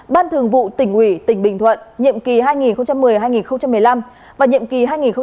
ban thường vụ tỉnh ủy tỉnh bình thuận nhiệm kỳ hai nghìn một mươi hai nghìn một mươi năm và nhiệm kỳ hai nghìn hai mươi hai nghìn hai mươi năm